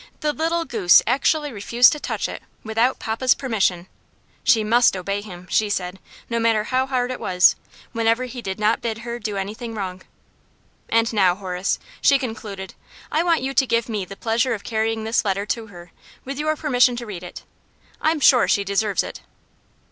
the little goose actually refused to touch it without papa's permission. She must obey him, she said, no matter how hard it was, whenever he did not bid her do anything wrong. And now, Horace," she concluded, "I want you to give me the pleasure of carrying this letter to her, with your permission to read it. I'm sure she deserves it."